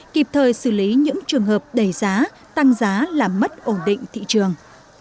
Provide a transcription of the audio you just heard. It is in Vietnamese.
kịp thời xử lý những trường hợp đẩy giá tăng giá làm mất ổn định thị trường